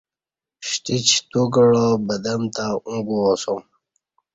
شتیچ تو کعا بدم تہ او گوا سوم